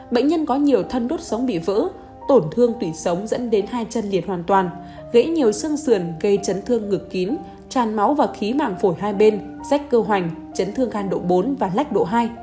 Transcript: bệnh nhân có nhiều thân đốt sống bị vỡ tổn thương tủy sống dẫn đến hai chân liệt hoàn toàn gãy nhiều xương sườn gây chấn thương ngực kín tràn máu và khí mảng phổi hai bên rách cơ hoành chấn thương khan độ bốn và lách độ hai